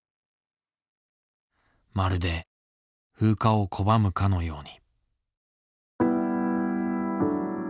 まるで風化を拒むかのように。